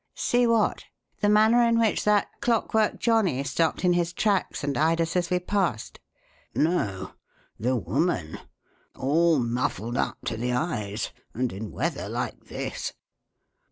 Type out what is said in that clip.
"See what? The manner in which that clockwork johnnie stopped in his tracks and eyed us as we passed?" "No. The woman. All muffled up to the eyes and in weather like this.